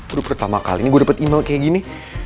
udah pertama kali nih gue dapet email kayak gini